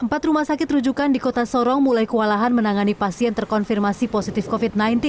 empat rumah sakit rujukan di kota sorong mulai kewalahan menangani pasien terkonfirmasi positif covid sembilan belas